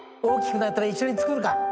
大きくなったら一緒に作るか。